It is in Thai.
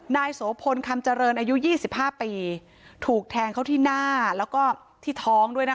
โสพลคำเจริญอายุ๒๕ปีถูกแทงเขาที่หน้าแล้วก็ที่ท้องด้วยนะคะ